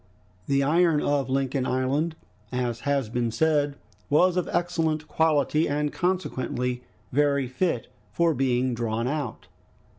The iron of Lincoln Island, as has been said, was of excellent quality, and consequently very fit for being drawn out.